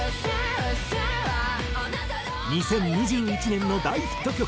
２０２１年の大ヒット曲